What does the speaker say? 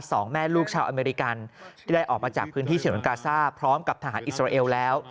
สองแม่ลูกชาวอเมริกันที่ได้ออกมาจากพื้นที่เฉินกาซ่าพร้อมกับทหารอิสราเอลแล้ว